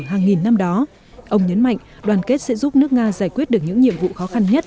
hàng nghìn năm đó ông nhấn mạnh đoàn kết sẽ giúp nước nga giải quyết được những nhiệm vụ khó khăn nhất